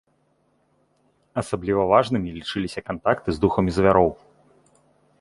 Асабліва важным лічыліся кантакты з духамі звяроў.